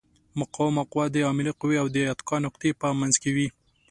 مقاومه قوه د عاملې قوې او د اتکا نقطې په منځ کې وي.